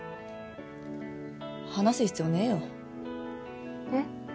話す必要ねえよえっ？